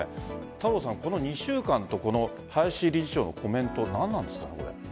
太郎さん、この２週間と林理事長のコメント何なんですか、これ。